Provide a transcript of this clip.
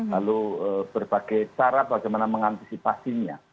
lalu berbagai cara bagaimana mengantisipasinya